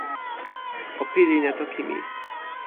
o pilin e toki mi.